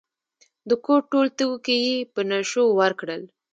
د کور ټول توکي یې په نشو ورکړل.